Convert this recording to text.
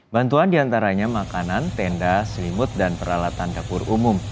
bantuan diantaranya makanan tenda selimut dan peralatan dapur umum